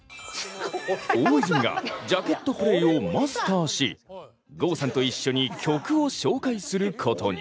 大泉がジャケットプレイをマスターし郷さんと一緒に曲を紹介することに。